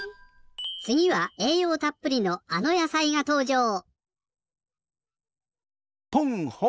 つぎはえいようたっぷりのあのやさいがとうじょう。